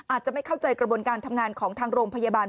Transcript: อาจจะไม่เข้าใจกระบวนการทำงานของทางโรงพยาบาล